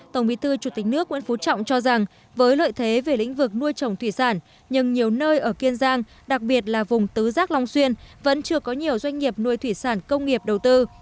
tổng bí thư chủ tịch nước nguyễn phú trọng cho rằng với lợi thế về lĩnh vực nuôi trồng thủy sản nhưng nhiều nơi ở kiên giang đặc biệt là vùng tứ giác long xuyên vẫn chưa có nhiều doanh nghiệp nuôi thủy sản công nghiệp đầu tư